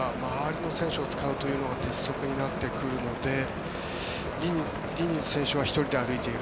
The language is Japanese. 周りの選手を使うというのが鉄則になってくるのでディニズ選手は１人で歩いている。